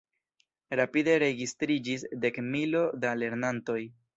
Rapide registriĝis dekmilo da lernantoj.